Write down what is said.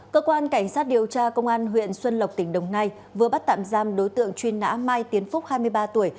cơ quan cảnh sát điều tra công an huyện xuân lộc tỉnh đồng nai vừa bắt tạm giam đối tượng truy nã mai tiến phúc hai mươi ba tuổi